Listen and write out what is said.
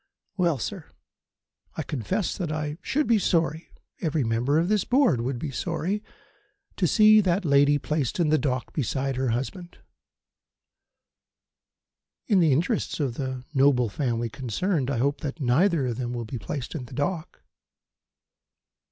Well, sir, I confess that I should be sorry every member of this Board would be sorry to see that lady placed in the dock beside her husband." "In the interests of the noble family concerned, I hope that neither of them will be placed in the dock."